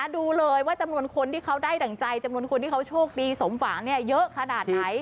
ดูเลยว่าจำนวนคนที่เขาได้ดั่งใจจำนวนคนที่เขาโชคดีสมหวังเยอะขนาดไหน